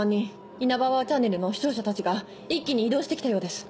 『イナバウアーチャンネル』の視聴者たちが一気に移動してきたようです。